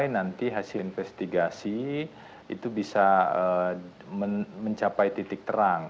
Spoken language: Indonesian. nanti hasil investigasi itu bisa mencapai titik terang